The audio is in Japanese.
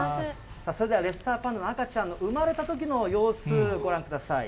それではレッサーパンダの赤ちゃんの産まれたときの様子ご覧ください。